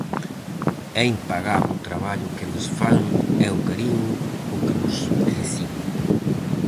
É impagable o traballo que eles fan e o cariño co que nos reciben.